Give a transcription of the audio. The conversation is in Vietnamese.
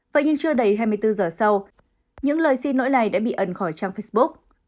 vậy nhưng chưa đầy hai mươi bốn giờ sau những lời xin lỗi này đã bị ẩn khỏi trang facebook